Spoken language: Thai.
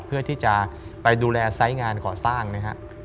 เพื่อที่จะไปดูแลไซส์งานก่อสร้างนะครับ